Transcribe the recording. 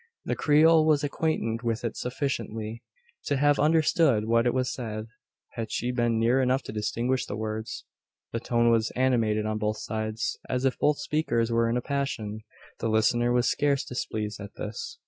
The Creole was acquainted with it sufficiently to have understood what was said, had she been near enough to distinguish the words. The tone was animated on both sides, as if both speakers were in a passion. The listener was scarce displeased at this.